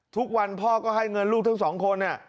ทุกวันพ่อก็ให้เงินลูกทั้ง๒คน